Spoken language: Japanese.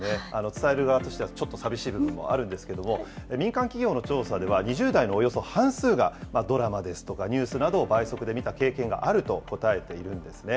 伝える側としてはちょっと寂しい部分もあるんですけれども、民間企業の調査では、２０代のおよそ半数が、ドラマですとか、ニュースなどを倍速で見た経験があると答えているんですね。